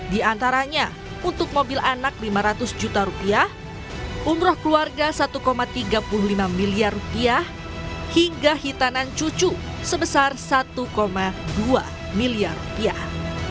di antaranya untuk mobil anak lima ratus juta rupiah umroh keluarga satu tiga puluh lima miliar rupiah hingga hitanan cucu sebesar satu dua miliar rupiah